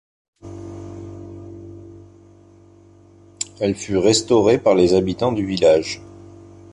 Elle fut restaurée par les habitants du village.